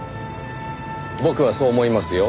僕はそう思いますよ。